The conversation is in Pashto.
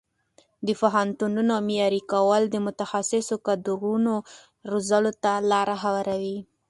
د پوهنتونونو معیاري کول د متخصصو کادرونو روزلو ته لاره هواروي.